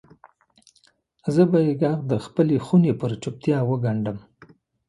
زه به یې ږغ دخپلې خونې پر چوپتیا وګنډم